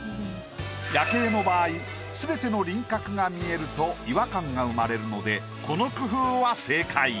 夜景の場合すべての輪郭が見えると違和感が生まれるのでこの工夫は正解。